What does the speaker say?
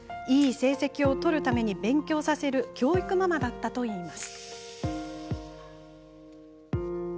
いい成績を取るために勉強させる教育ママだったといいます。